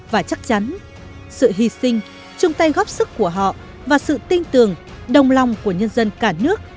và chắc chắn sự hy sinh chung tay góp sức của họ và sự tin tưởng đồng lòng của nhân dân cả nước